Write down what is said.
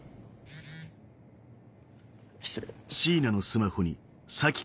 失礼。